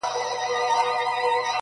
چيري چي زړه ځي، هلته پښې ځي.